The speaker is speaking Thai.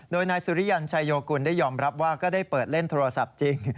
โดยนายสุริยันชัยโยกุลได้ยอมรับว่าก็ได้เปิดเล่นโทรศัพท์จริง